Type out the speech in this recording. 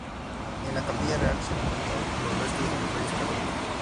En la Capilla Real se encuentran los restos de los Reyes Católicos.